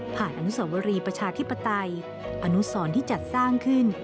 อนุสวรีประชาธิปไตยอนุสรที่จัดสร้างขึ้น